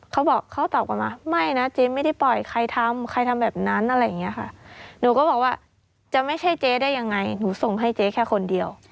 เขาบอกเขาตอบกลับมาไม่นะเจ๊ไม่ได้ปล่อยใครทำใครทำแบบนั้นอะไรอย่างนี้ค่ะหนูก็บอกว่าจะไม่ใช่เจ๊ได้ยังไงหนูส่งให้เจ๊แค่คนเดียว